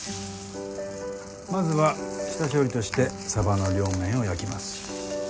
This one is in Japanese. まずは下処理としてサバの両面を焼きます。